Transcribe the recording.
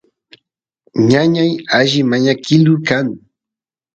ñañay alli mañakilu kan